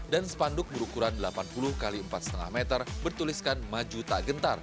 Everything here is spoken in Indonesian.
dan spanduk berukuran delapan puluh x empat lima meter bertuliskan maju tak gentar